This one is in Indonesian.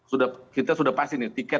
sudah kita sudah pasti menang